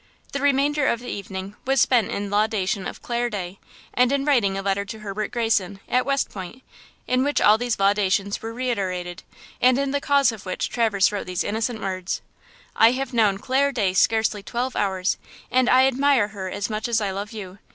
The remainder of the evening was spent in laudation of Clare Day, and in writing a letter to Herbert Greyson, at West Point, in which all these laudations were reiterated, and in the cause of which Traverse wrote these innocent words: "I have known Clare Day scarcely twelve hours, and I admire her as much as I love you!